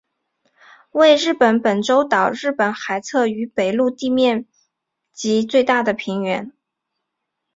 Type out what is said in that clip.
为日本本州岛日本海侧与北陆地方面积最大的平原。